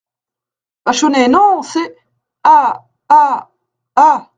Vachonnet Non ! ses … a … a … a …